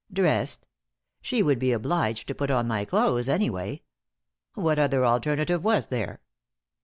Dressed? She would be obliged to put on my clothes, anyway! What other alternative was there?